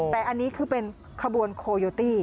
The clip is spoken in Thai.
แต่อันนี้คือเป็นขบวนโคโยตี้